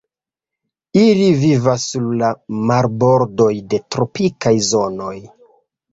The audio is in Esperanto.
Ili vivas sur la marbordoj de tropikaj zonoj.